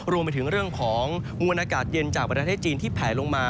รวมไปถึงเรื่องของมวลอากาศเย็นจากประเทศจีนที่แผลลงมา